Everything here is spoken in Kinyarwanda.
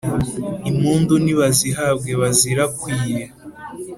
impundu nibazihabwe bazirakwiye